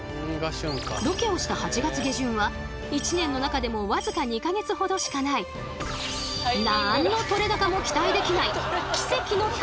ロケをした８月下旬は一年の中でも僅か２か月ほどしかない何の撮れ高も期待できないでは